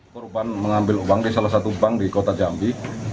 korban mengambil uang di salah satu bank di kota jambi